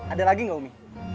ada lagi gak umi